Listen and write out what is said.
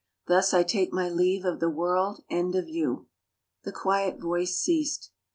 " Thus I iake my leave of the world and of you." The quiet voice ceased.